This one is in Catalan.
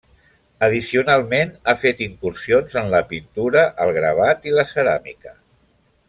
Addicionalment, ha fet incursions en la pintura, el gravat i la ceràmica.